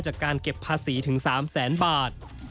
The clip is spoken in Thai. จากการเก็บภาษีถึง๓แสนบาท